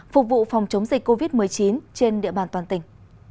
phục vụ phòng chống dịch covid một mươi chín trên địa bàn toàn tỉnh